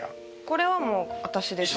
これはもう私です。